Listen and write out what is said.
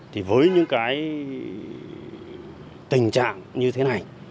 thì với những cái tình trạng như thế này